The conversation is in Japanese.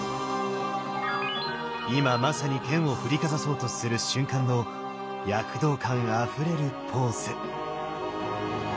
今まさに剣を振りかざそうとする瞬間の躍動感あふれるポーズ。